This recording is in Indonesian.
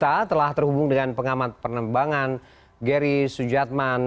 kita telah terhubung dengan pengamat pernebangan gary sujadman